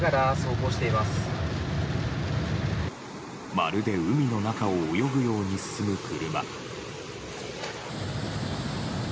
まるで海の中を泳ぐように進む車。